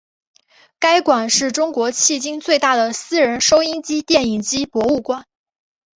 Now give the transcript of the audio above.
该馆是是中国迄今最大的私人收音机电影机博物馆。